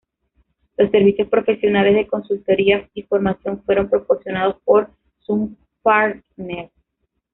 Los servicios profesionales, de consultoría y formación fueron proporcionados por "Sun Partners".